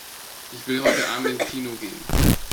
Ich will heute Abend ins Kino gehen.